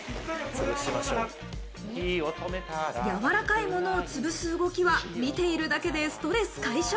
やわらかいものを潰す動きは見ているだけでストレス解消。